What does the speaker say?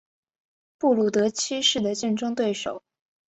布鲁德七世的竞争对手。